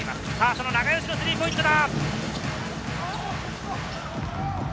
その永吉のスリーポイントだ！